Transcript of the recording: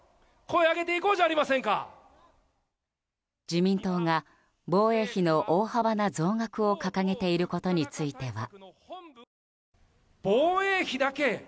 自民党が防衛費の大幅な増額を掲げていることについては。